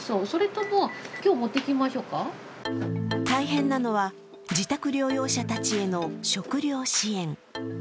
大変なのは、自宅療養者たちへの食料支援。